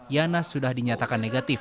yana sudah dinyatakan negatif